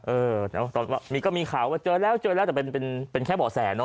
เออแล้วตอนนี้ก็มีข่าวว่าเจอแล้วแต่เป็นแค่บ่อแสเนอะ